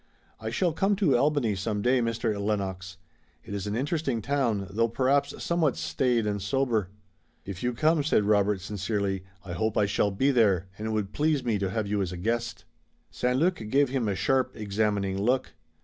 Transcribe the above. I shall come to Albany some day, Mr. Lennox. It is an interesting town, though perhaps somewhat staid and sober." "If you come," said Robert sincerely, "I hope I shall be there, and it would please me to have you as a guest." St. Luc gave him a sharp, examining look.